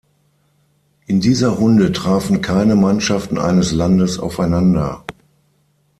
In dieser Runde trafen keine Mannschaften eines Landes aufeinander.